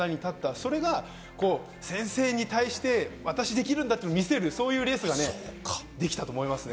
それが先生に対して私できるんだって見せるレースができたと思いますね。